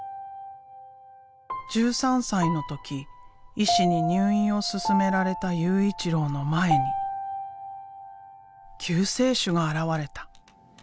１３歳の時医師に入院を勧められた悠一郎の前に救世主が現れた。